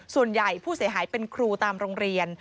ส่วนใหญ่ผู้เสียหายเป็นครูตามโรงเรียน